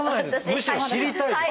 むしろ知りたいです。